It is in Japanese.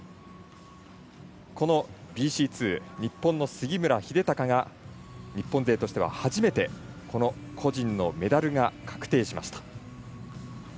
このＢＣ２、日本の杉村英孝が日本勢としては初めて個人のメダルが確定しました。